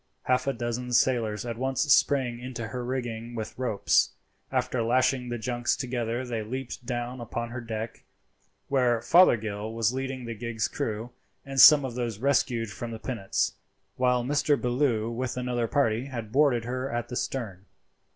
Half a dozen sailors at once sprang into her rigging with ropes. After lashing the junks together they leaped down upon her deck, where Fothergill was leading the gig's crew and some of those rescued from the pinnace, while Mr. Bellew, with another party, had boarded her at the stern.